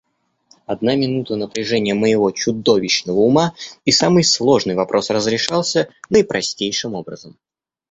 Одна минута напряжения моего чудовищного ума, и самый сложный вопрос разрешался наипростейшим образом.